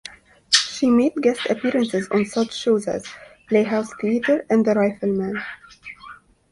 She made guest appearances on such shows as "Playhouse Theatre" and "The Rifleman".